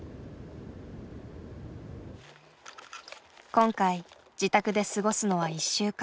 今回自宅で過ごすのは１週間。